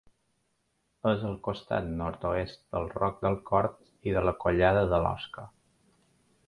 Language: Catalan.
És al costat nord-oest del Roc del Corb i de la Collada de l'Osca.